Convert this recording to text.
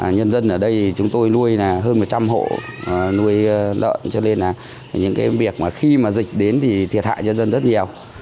nhân dân ở đây chúng tôi nuôi là hơn một trăm linh hộ nuôi lợn cho nên là những cái việc mà khi mà dịch đến thì thiệt hại cho dân rất nhiều